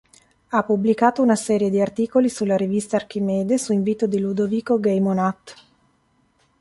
Ha pubblicato una serie di articoli sulla rivista Archimede su invito di Ludovico Geymonat.